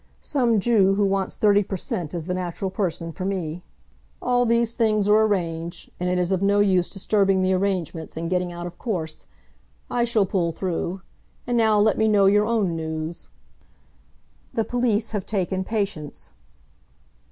Some Jew who wants thirty per cent. is the natural person for me. All these things are arranged, and it is of no use disturbing the arrangements and getting out of course. I shall pull through. And now let me know your own news." "The police have taken Patience."